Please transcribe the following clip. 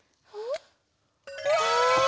うわ！